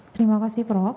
terima kasih prof